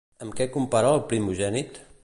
Amb què compara el primogènit?